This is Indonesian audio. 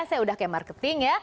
saya udah kayak marketing ya